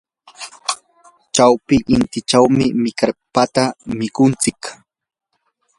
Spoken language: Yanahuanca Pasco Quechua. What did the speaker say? chawpi intichawmi mirkapata mikunchik.